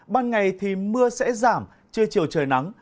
ban ngày thì mưa sẽ giảm chưa chiều trời nắng